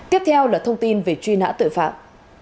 tiếp theo là thông tin về truy nã tội phạm